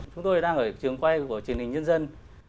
chúng tôi đang ở trường quay của truyền hình nhân dân